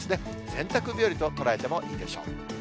洗濯日和と捉えてもいいでしょう。